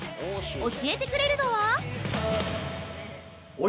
教えてくれるのは◆